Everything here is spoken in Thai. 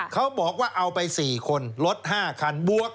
เขาบอกว่าเอาไป๔คนรถ๕คันบวก